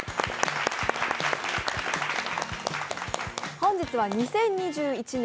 本日は２０２１年